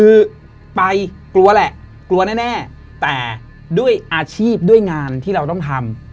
คือไปกลัวแหละกลัวแน่แต่ด้วยอาชีพด้วยงานที่เราต้องทำ